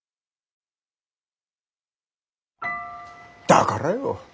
だからよ。